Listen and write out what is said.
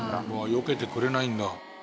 よけてくれないんだ。